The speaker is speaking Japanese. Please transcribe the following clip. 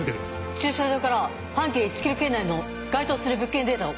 駐車場から半径１ｋｍ圏内の該当する物件データを。